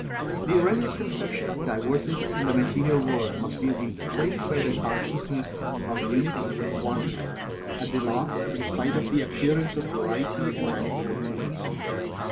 The erroneous conception of diversity in the material world must be replaced by the consciousness of Unity Oneness, at the last, in spite of the appearance of variety and manifold forms.